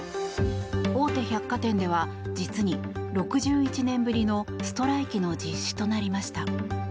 大手百貨店では実に６１年ぶりのストライキの実施となりました。